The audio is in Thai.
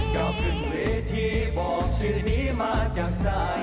ก็ขึ้นเวทีบอกชื่อนี้มาจากสาย